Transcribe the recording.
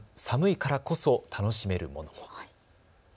寒いからこそ楽しめるものも。